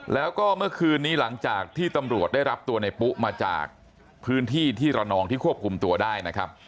แล้วก็เมื่อคืนนี้หลังจากที่ตำรวจได้รับตัวในปุ๊มาจากพื้นที่ที่ระนองที่ควบคุมตัวได้นะครับ